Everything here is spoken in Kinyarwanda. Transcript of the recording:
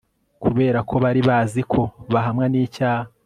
Kubera ko bari bazi ko bahamwa nicyaha